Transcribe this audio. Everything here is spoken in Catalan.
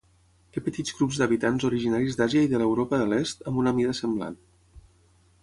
Té petits grups d'habitants originaris d'Àsia i de l'Europa de l'Est, amb una mida semblant.